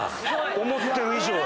思ってる以上や。